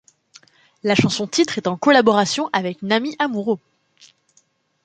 La chanson titre est en collaboration avec Namie Amuro.